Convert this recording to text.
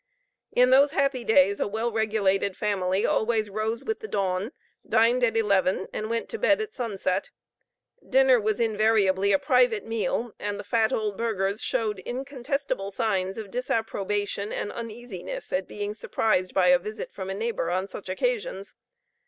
In those happy days a well regulated family always rose with the dawn, dined at eleven, and went to bed at sunset. Dinner was invariably a private meal, and the fat old burghers showed incontestable signs of disapprobation and uneasiness at being surprised by a visit from a neighbor on such occasions.